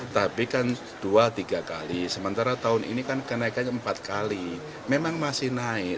tapi kan dua tiga kali sementara tahun ini kan kenaikannya empat kali memang masih naik